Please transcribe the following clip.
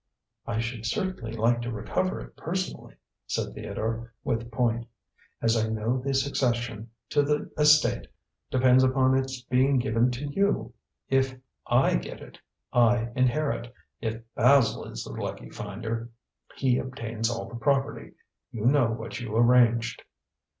"I should certainly like to recover it personally," said Theodore with point, "as I know the succession to the estate depends upon its being given to you. If I get it, I inherit; if Basil is the lucky finder, he obtains all the property. You know what you arranged."